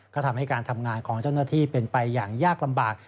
ก็ทำให้การทำงานของเจ้าหน้าที่เป็นไปอย่างยากลำบาก